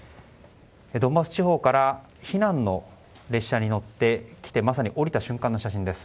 ドンバス地方から避難の列車に乗ってまさに降りた瞬間の写真です。